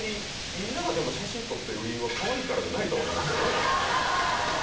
みんながでも写真撮ってる理由はかわいいからじゃないとは思いますけどね。